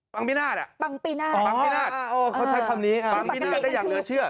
ปังปินาศอะปังปินาศอ๋อคำนี้อ่าปังปินาศได้อย่างเหนือเชื่อ